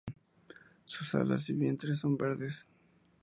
Sus alas y vientre son verdes.